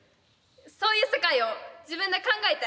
そういう世界を自分で考えて。